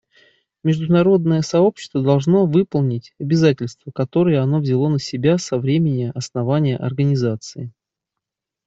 Международное сообщество должно выполнить обязательства, которые оно взяло на себя со времени основания Организации.